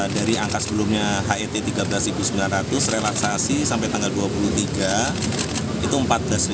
dari angka sebelumnya rp tiga belas sembilan ratus per kilogram relaksasi sampai tanggal dua puluh tiga itu rp empat belas sembilan ratus per kilogram